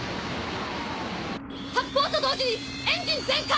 発砲と同時にエンジン全開！